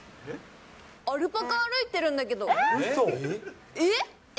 アルパカ、歩いてるんだけど、え？